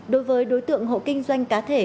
đối với đối tượng hộ kinh doanh cá thể